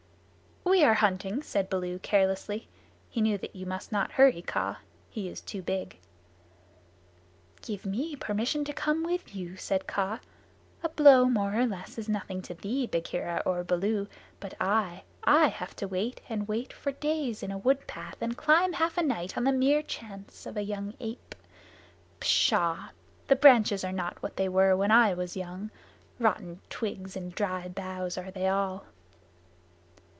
"We are hunting," said Baloo carelessly. He knew that you must not hurry Kaa. He is too big. "Give me permission to come with you," said Kaa. "A blow more or less is nothing to thee, Bagheera or Baloo, but I I have to wait and wait for days in a wood path and climb half a night on the mere chance of a young ape. Psshaw! The branches are not what they were when I was young. Rotten twigs and dry boughs are they all."